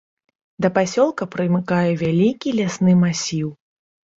Да пасёлка прымыкае вялікі лясны масіў.